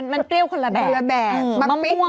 มันเปรี้ยวคนละแบบ